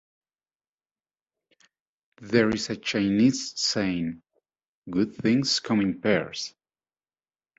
There is a Chinese saying: "good things come in pairs".